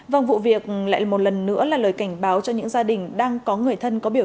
vâng vụ việc lại một lần nữa là lời cảnh báo cho những gia đình đang có người thân có biểu